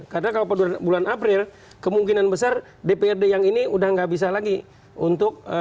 karena kalau pada bulan april kemungkinan besar dprd yang ini sudah nggak bisa lagi untuk menjalankan